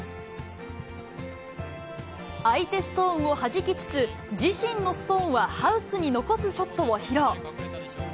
相手ストーンをはじきつつ、自身のストーンはハウスに残すショットを披露。